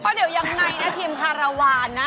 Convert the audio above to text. เพราะเดี๋ยวยังไงนะทีมคาราวานนะ